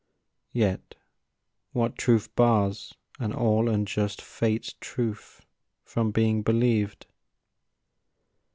Yet what truth bars An all unjust Fate's truth from being believed?